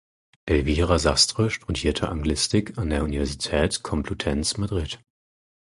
Elvira Sastre studierte Anglistik an der Universität Complutense Madrid.